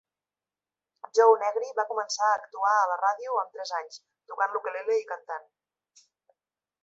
Joe Negri va començar a actuar a la ràdio amb tres anys, tocant l'ukulele i cantant.